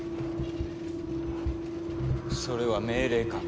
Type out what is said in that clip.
それは命令か？